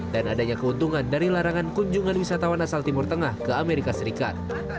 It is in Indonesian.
dan adanya keuntungan dari larangan kunjungan wisatawan asal timur tengah ke amerika serikat